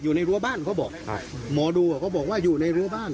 รั้วบ้านเขาบอกหมอดูอ่ะเขาบอกว่าอยู่ในรั้วบ้าน